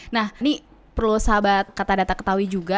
nah ini perlu sahabat katadata ketahui juga